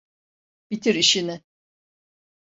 Bitir işini!